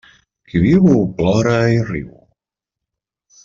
Qui viu, plora i riu.